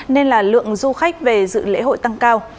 nên là lượng du khách về dự lễ hội tăng cao